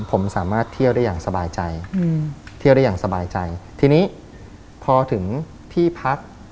ผมสามารถเที่ยวได้อย่างสบายใจอืมเที่ยวได้อย่างสบายใจทีนี้พอถึงที่พัก